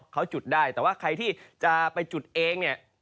เขาจุดได้แต่ว่าใครที่จะไปจุดเองเนี่ย